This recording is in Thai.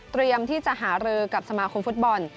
ที่จะหารือกับสมาคมฟุตบอล